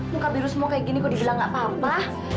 muka biru semua kayak gini kok dibilang gak apa apa